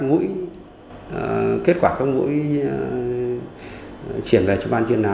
nhưng không phải như vậy